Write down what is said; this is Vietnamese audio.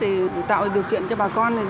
để tạo điều kiện cho bà con